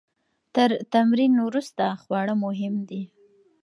تر تمرین وروسته خواړه مهم دي.